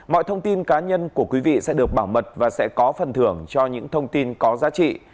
mọi thông tin cá nhân của quý vị sẽ được bảo mật và sẽ có phần thưởng cho những thông tin có giá trị